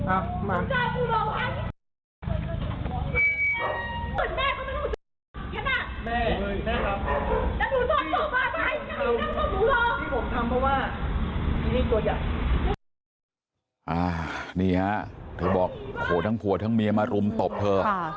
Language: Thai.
นี่ฮะเธอบอกโหทั้งผัวทั้งเมียมารุมตบเธอ